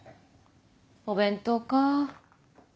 お弁当か。